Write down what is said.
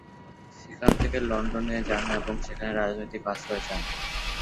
সেখান থেকে লন্ডনে যান এবং সেখানে রাজনৈতিক আশ্রয় চান।